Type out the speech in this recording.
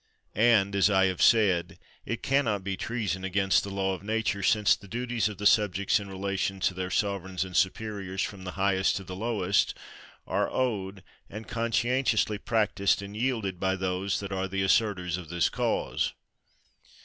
And, as I have said, it can not be treason against the law of nature since the duties of the subjects in relation to their sovereigns and superiors, from the high est to the lowest, are owned and conscientiously practised and yielded by those that are the as serters of this cause.